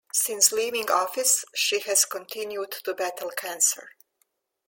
Since leaving office, she has continued to battle cancer.